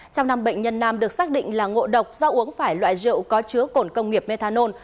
trong năm bệnh nhân nam được xác định là ngộ độc do uống phải loại rượu có chứa cồn công nghiệp methanol